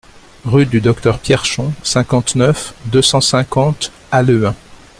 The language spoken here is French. Rue du Docteur Pierchon, cinquante-neuf, deux cent cinquante Halluin